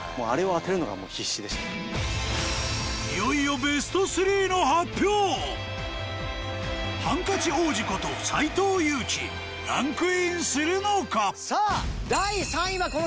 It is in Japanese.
いよいよハンカチ王子こと斎藤佑樹ランクインするのか？